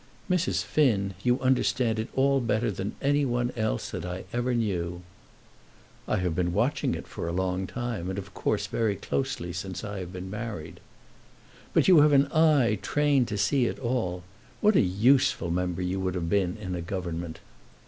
"Mrs. Finn, you understand it all better than any one else that I ever knew." "I have been watching it a long time, and of course very closely since I have been married." "But you have an eye trained to see it all. What a useful member you would have been in a government!"